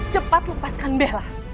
cepat lepaskan bella